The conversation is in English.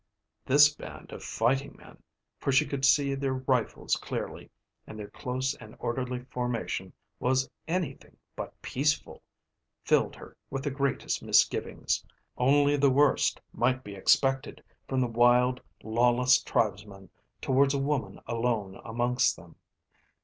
This band of fighting men, for she could see their rifles clearly, and their close and orderly formation was anything but peaceful, filled her with the greatest misgivings. Only the worst might be expected from the wild, lawless tribesmen towards a woman alone amongst them.